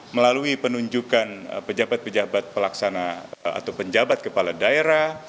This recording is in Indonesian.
melalui penunjukan pejabat pejabat pelaksana atau penjabat kepala daerah